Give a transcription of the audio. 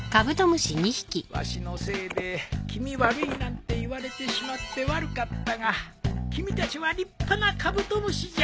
わしのせいで気味悪いなんて言われてしまって悪かったが君たちは立派なカブトムシじゃ。